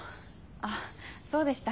あっそうでした